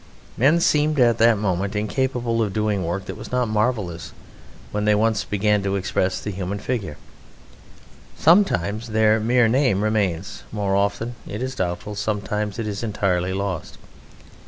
Men seemed at that moment incapable of doing work that was not marvellous when they once began to express the human figure. Sometimes their mere name remains, more often it is doubtful, sometimes it is entirely lost.